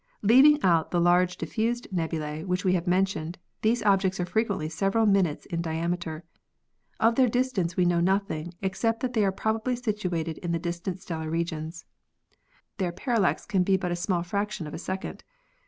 Leaving out the large diffused nebulae which we have mentioned, these objects are frequently several minutes in diameter. Of their distance we know nothing, except that they are probably situated in the distant stellar regions. Their parallax can be but a small fraction of a second.